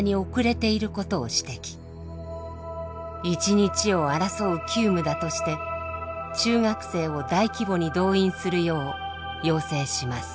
一日を争う急務だとして中学生を大規模に動員するよう要請します。